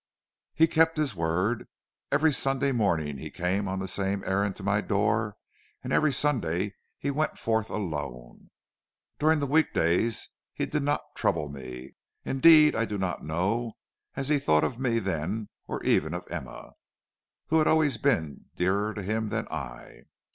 "He kept his word. Every Sunday morning he came on the same errand to my door, and every Sunday he went forth alone. During the week days he did not trouble me. Indeed, I do not know as he thought of me then, or even of Emma, who had always been dearer to him than I.